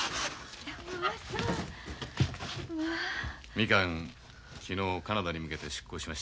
みかん昨日カナダに向けて出航しました。